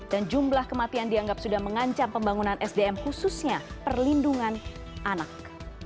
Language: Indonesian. dan jumlah kematian dianggap sudah mengancam pembangunan sdm khususnya perlindungan anak